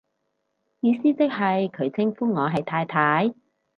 意思即係佢稱呼我係太太